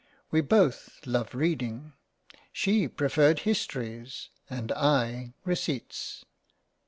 We both loved Reading. She preferred Histories, and / Receipts.